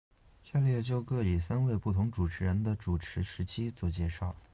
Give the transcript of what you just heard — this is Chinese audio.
下列就各以三位不同主持人的主持时期做介绍。